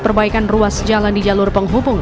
perbaikan ruas jalan di jalur penghubung